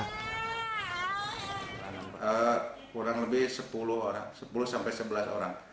kurang lebih sepuluh sebelas orang